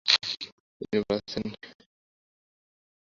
তিনি প্রাচীন গ্রীসের উদ্ভাবিত লির বাজাতে পারতেন।